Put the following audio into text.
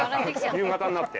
夕方になって。